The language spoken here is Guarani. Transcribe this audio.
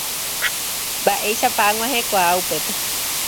Mba'éichapa ag̃uahẽkuaa upépe.